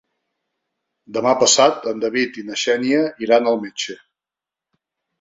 Demà passat en David i na Xènia iran al metge.